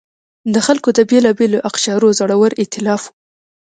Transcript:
د خلکو د بېلابېلو اقشارو زړور اېتلاف و.